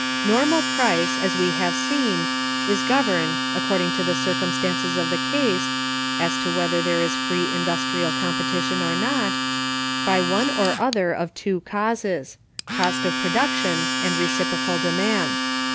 Normal price, as we have seen, is governed, according to the circumstances of the case [as to whether there is free industrial competition or not], by one or other of two causes—cost of production and reciprocal demand.